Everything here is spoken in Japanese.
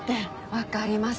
分かります。